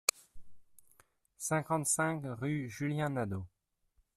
cinquante-cinq rue Julien Nadau